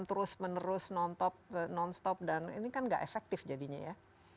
terus menerus non stop dan ini kan gak efektif jadinya ya